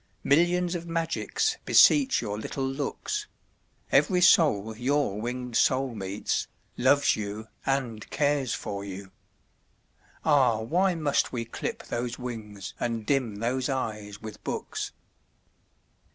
Millions of magics beseech your little looks; Every soul your winged soul meets, loves you and cares for you. Ah! why must we clip those wings and dim those eyes with books?